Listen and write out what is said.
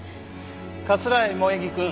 桂井萌衣くん。